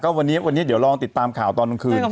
วันนี้วันนี้เดี๋ยวลองติดตามข่าวตอนกลางคืน